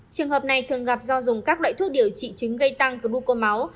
trường hợp này thường gặp do dùng các loại thuốc điều trị chứng gây tăng guco máu